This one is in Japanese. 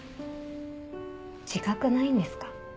自覚ないんですか？